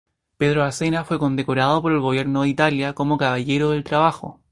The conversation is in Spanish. Pedro Vasena fue condecorado por el gobierno de Italia como Caballero del Trabajo.